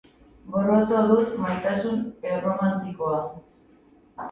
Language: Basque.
Gorroto dut maitasun erromantikoa.